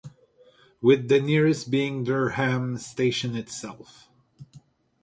With the nearest being Durham station itself.